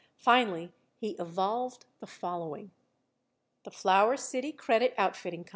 Finally, he evolved the following: THE FLOWER CITY CREDIT OUTFITTING CO.